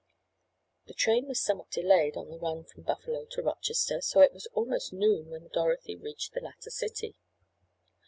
The train was somewhat delayed on the run from Buffalo to Rochester, so it was almost noon when Dorothy reached the latter city.